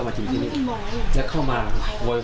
ก็ไปพูดคุยกับหลานชายด้วยนะคะ